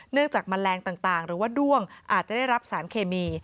จากแมลงต่างหรือว่าด้วงอาจจะได้รับสารเคมี